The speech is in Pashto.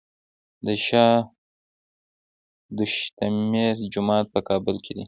د شاه دوشمشیره جومات په کابل کې دی